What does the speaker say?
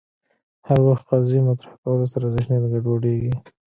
هر وخت قضیې مطرح کولو سره ذهنیت ګډوډېږي